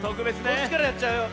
こっちからやっちゃうよ。